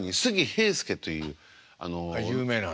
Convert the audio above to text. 有名な。